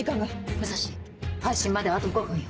武蔵配信まであと５分よ。